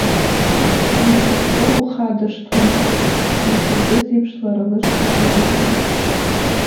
Зегь уахьтәоу ухадыршҭуан, амхылдыз еиԥш лара лышҟа иухон.